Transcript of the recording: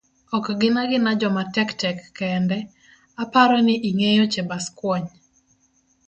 ok gina gina joma tek tek kende, aparo ni ingeyo Chebaskwony.